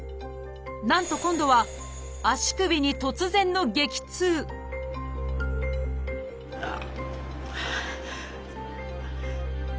なんと今度は足首に突然の激痛あっ！